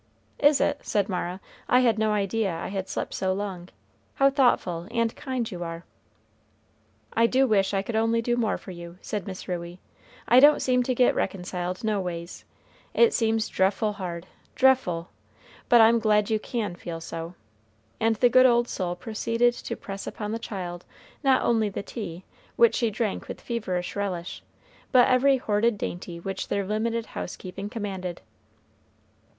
"Is it?" said Mara. "I had no idea I had slept so long how thoughtful and kind you are!" "I do wish I could only do more for you," said Miss Ruey. "I don't seem to get reconciled no ways; it seems dreffle hard dreffle; but I'm glad you can feel so;" and the good old soul proceeded to press upon the child not only the tea, which she drank with feverish relish, but every hoarded dainty which their limited housekeeping commanded.